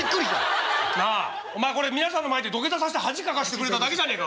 なあこれ皆さんの前で土下座させて恥かかしてくれただけじゃねえか。